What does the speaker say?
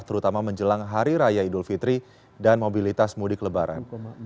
terutama menjelang hari raya idul fitri dan mobilitas mudik lebaran